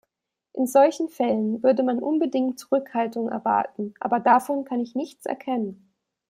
In solchen Fällen würde man unbedingt Zurückhaltung erwarten, aber davon kann ich nichts erkennen.